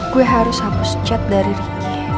gue harus hapus chat dari ricky